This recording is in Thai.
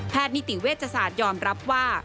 นิติเวชศาสตร์ยอมรับว่า